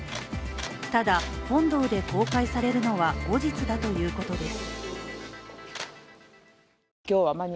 ただ本堂で公開されるのは後日だということです。